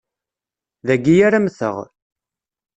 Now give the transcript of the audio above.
Dagi ara mmteγ.